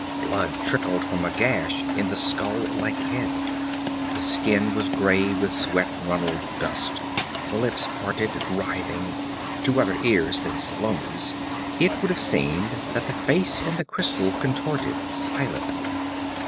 Blood trickled from a gash in the skull like head, the skin was gray with sweat runneled dust. The lips parted, writhing; to other ears than Salome's it would have seemed that the face in the crystal contorted silently.